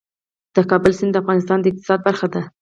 د کابل سیند د افغانستان د اقتصاد برخه ده.